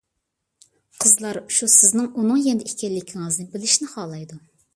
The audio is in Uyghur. قىزلار شۇ سىزنىڭ ئۇنىڭ يېنىدا ئىكەنلىكىڭىزنى بىلىشنى خالايدۇ.